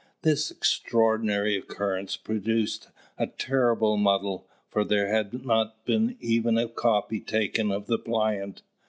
This extraordinary occurrence produced a terrible muddle, for there had not even been a copy taken of the plaint.